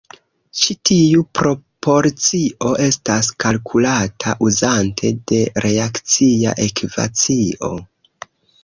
Ĉi tiu proporcio estas kalkulata uzante de reakcia ekvacio.